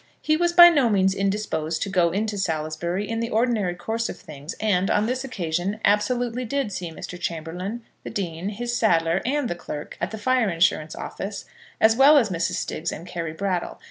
He was by no means indisposed to go into Salisbury in the ordinary course of things; and on this occasion absolutely did see Mr. Chamberlaine, the dean, his saddler, and the clerk at the Fire Insurance Office, as well as Mrs. Stiggs and Carry Brattle.